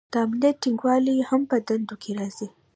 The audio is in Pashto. د امنیت ټینګول هم په دندو کې راځي.